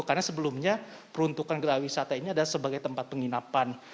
karena sebelumnya peruntukan geraha wisata ini adalah sebagai tempat penginapan